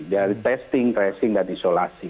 dari testing tracing dan isolasi